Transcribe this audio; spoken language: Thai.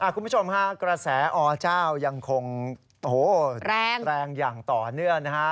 คุณผู้ชมฮะกระแสอเจ้ายังคงแรงอย่างต่อเนื่องนะฮะ